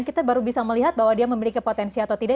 kita baru bisa melihat bahwa dia memiliki potensi atau tidak